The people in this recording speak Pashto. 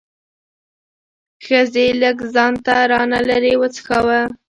ښځې لږ ځان را نه لرې وڅښاوه.